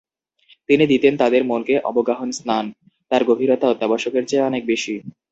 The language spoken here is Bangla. তিনি দিতেন তাদের মনকে অবগাহন-স্নান, তার গভীরতা অত্যাবশ্যকের চেয়ে অনেক বেশি।